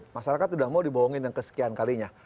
masyarakat sudah mau dibohongin yang kesekian kalinya